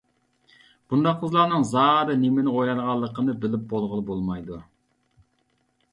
بۇنداق قىزلارنىڭ زادى نېمىنى ئويلايدىغىنىنى بىلىپ بولغىلى بولمايدۇ.